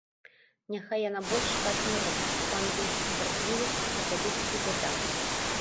Няхай яна больш так не робіць, пан выйдзе з цярплівасці, і табе будзе бяда.